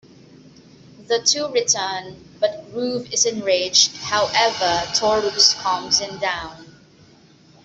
The two return but Groove is enraged however Taurus calms him down.